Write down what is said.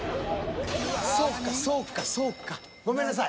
そうかそうかそうか。ごめんなさい。